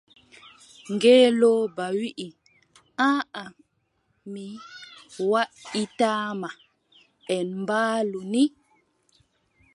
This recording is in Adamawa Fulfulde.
Ngeelooba wii: aaʼa mi waʼitaa ma, en mbaalu ni.